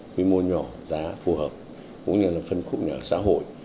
quy mô nhỏ giá phù hợp cũng như là phân khúc nhà ở xã hội